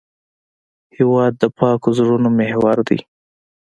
هېواد د پاکو زړونو محور دی.